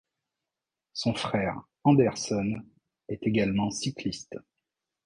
Son frère Anderson est également cycliste.